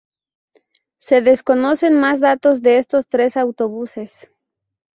Se desconocen más datos de estos tres autobuses.